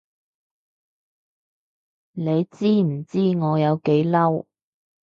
你知唔知我有幾攰？